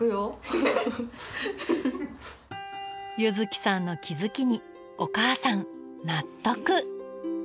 柚季さんの気付きにお母さん納得